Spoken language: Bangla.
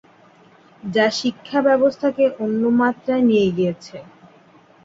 যা শিক্ষা ব্যবস্থাকে অন্য মাত্রায় নিয়ে গিয়েছে।